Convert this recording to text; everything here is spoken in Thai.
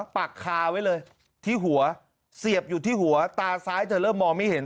ปักคาไว้เลยที่หัวเสียบอยู่ที่หัวตาซ้ายเธอเริ่มมองไม่เห็น